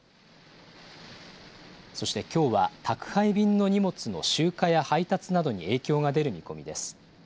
そしてきょうは、宅配便の荷物の集荷や配達などに影響が出る見込みです。